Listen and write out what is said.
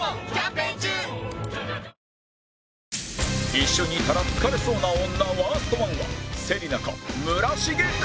一緒にいたら疲れそうな女ワースト１は芹那か？